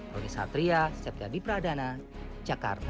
rony satria setia dipradana jakarta